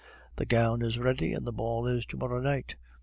The gown is ready, and the ball is to morrow night!